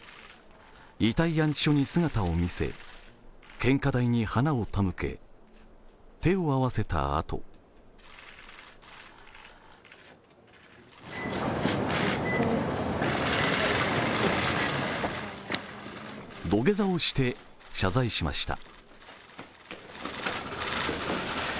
遺体安置所に姿を見せ献花台に花を手向け手を合わせたあと土下座をして謝罪しました。